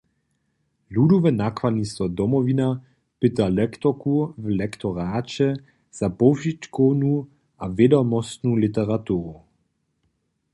Ludowe nakładnistwo Domowina pyta lektorku w lektoraće za powšitkownu a wědomostnu literaturu.